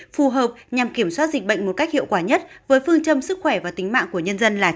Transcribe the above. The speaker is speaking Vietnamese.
phù hợp nhằm kiểm soát dịch bệnh một cách hiệu quả nhất với phương châm sức khỏe và tính mạng của nhân dân là